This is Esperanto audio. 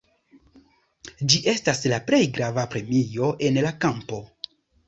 Ĝi estas la plej grava premio en la kampo.